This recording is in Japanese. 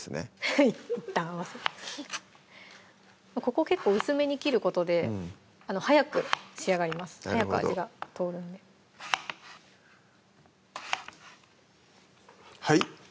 はいここ結構薄めに切ることで早く仕上がります早く味が通るんではい！